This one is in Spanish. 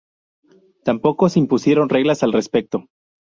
Tampoco se impusieron reglas al respecto.